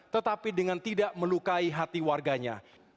tetapi dengan tidak melukai hati warganya